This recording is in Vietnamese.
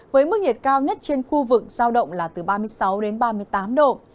với mức nhiệt cao nhất trên khu vực giao động là từ ba mươi sáu đến ba mươi tám độ